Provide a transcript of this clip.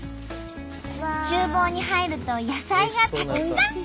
厨房に入ると野菜がたくさん！